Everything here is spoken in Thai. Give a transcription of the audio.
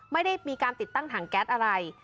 ไม่ได้มีการติดตั้งถังแก๊สอะไร